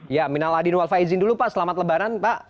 ya minal adin walfaizin dulu pak selamat lebaran pak